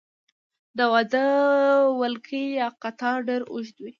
د واده ولکۍ یا قطار ډیر اوږد وي.